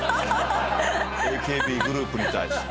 ＡＫＢグループに対して。